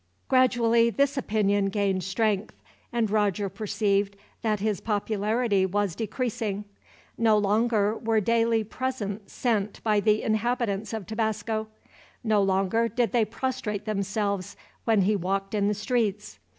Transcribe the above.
Gradually this opinion gained strength, and Roger perceived that his popularity was decreasing. No longer were daily presents sent in by the inhabitants of Tabasco. No longer did they prostrate themselves, when he walked in the streets.